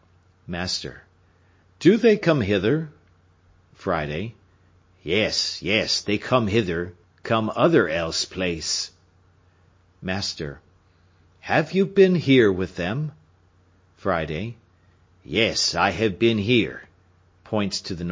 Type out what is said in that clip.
Master.—Do they come hither? Friday.—Yes, yes, they come hither; come other else place. Master.—Have you been here with them? Friday.—Yes, I have been here (points to the NW.